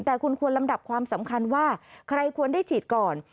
แต่คุณควรลำดับความสำคัญว่าใครควรได้ฉีดก่อน